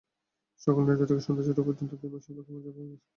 সকাল নয়টা থেকে সন্ধ্যা ছয়টা পর্যন্ত দুই মাসের বকেয়া মজুরি পাবেন শ্রমিকেরা।